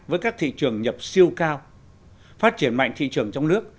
với các thị trường nhập siêu cao phát triển mạnh thị trường trong nước